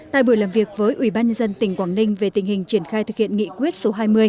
tại buổi làm việc với ủy ban nhân dân tỉnh quảng ninh về tình hình triển khai thực hiện nghị quyết số hai mươi